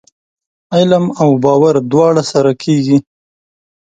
علم او باور دواړه سره کېږي ؟